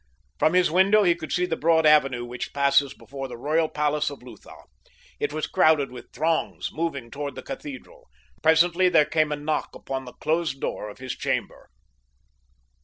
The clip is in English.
From his window he could see the broad avenue which passes before the royal palace of Lutha. It was crowded with throngs moving toward the cathedral. Presently there came a knock upon the closed door of his chamber.